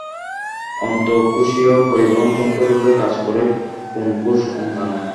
অন্তঃকোষীয় পরিবহনতন্ত্ররূপে কাজ করে কোন কোষ অঙ্গাণু?